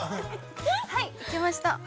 ◆はい、いきました。